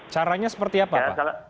caranya seperti apa pak